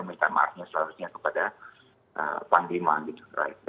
minta maafnya seharusnya kepada panglima gitu